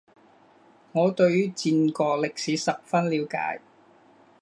我对于战国历史十分了解